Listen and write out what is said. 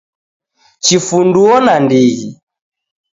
Chifunduo na ndighi.